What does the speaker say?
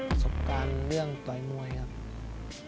ประสบการณ์เรื่องต่อยมวยครับ